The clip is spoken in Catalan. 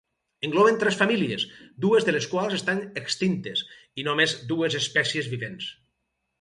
Engloben tres famílies, dues de les quals estan extintes, i només dues espècies vivents.